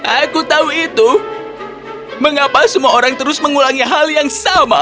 aku tahu itu mengapa semua orang terus mengulangi hal yang sama